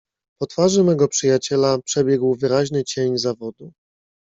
"Po twarzy mego przyjaciela, przebiegł wyraźny cień zawodu."